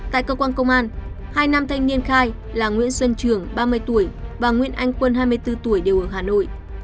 tại cơ quan công an hai nam thanh niên khai là nguyễn xuân trường ba mươi tuổi và nguyễn anh quân hai mươi bốn tuổi đều ở hà nội